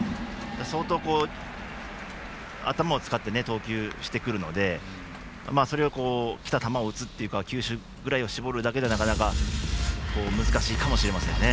相当、頭を使って投球してくるのできた球を打つというか球種を絞るだけでは難しいかもしれませんね。